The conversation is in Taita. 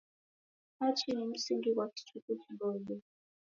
Hachi ni msingi ghwa kichuku chiboie.